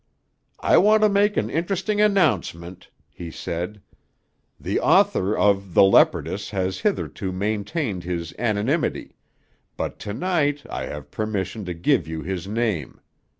"I want to make an interesting announcement," he said; "the author of 'The Leopardess' has hitherto maintained his anonymity, but to night I have permission to give you his name.